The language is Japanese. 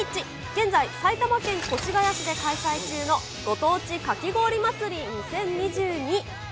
現在、埼玉県越谷市で開催中のご当地かき氷祭２０２２。